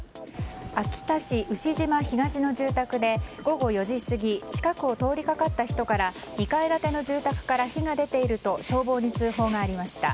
秋田市牛島東の住宅で午後４時過ぎ近くを通りかかった人から２階建ての住宅から火が出ていると消防に通報がありました。